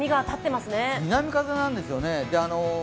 南風なんですよね。